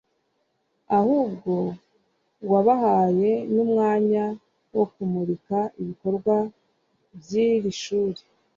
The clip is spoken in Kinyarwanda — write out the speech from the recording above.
ahubwo wabaye n’umwanya wo kumurika ibikorwa by’iri shuri